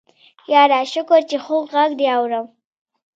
يره شکر چې خوږ غږ دې اورم.